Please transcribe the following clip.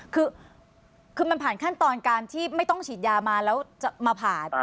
คือมันผ่านขั้นตอนการที่ไม่ต้องฉีดยามาแล้วจะมาผ่า